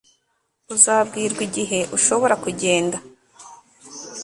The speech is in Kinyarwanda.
Uzabwirwa igihe ushobora kugenda